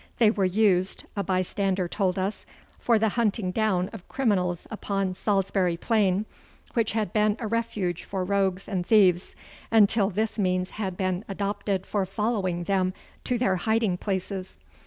They were used, a bystander told us, for the hunting down of criminals upon Salisbury Plain, which had been a refuge for rogues and thieves, until this means had been adopted for following them to their hiding places.